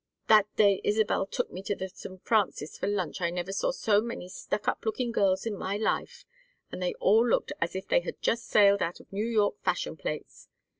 That day Isabel took me to the St. Francis for lunch I never saw so many stuck up looking girls in my life, and they all looked as if they had just sailed out of New York fashion plates.